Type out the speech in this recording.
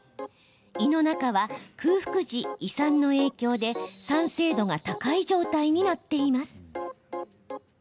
胃の中は空腹時、胃酸の影響で酸性度が高い状態になっています。